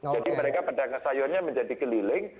jadi mereka pedagang sayurnya menjadi keliling